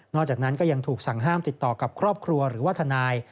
จากนั้นก็ยังถูกสั่งห้ามติดต่อกับครอบครัวหรือว่าทนาย